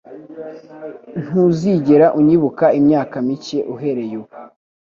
Ntuzigera unyibuka imyaka mike uhereye ubu.